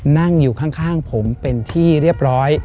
นั่งอยู่ข้างผมเป็นที่เรียบร้อย